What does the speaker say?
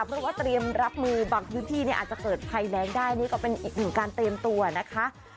เพราะว่าเตรียมรับมือบางพื้นที่เนี่ยอาจจะเกิดภัยแรงได้นี่ก็เป็นอีกหนึ่งการเตรียมตัวนะคะ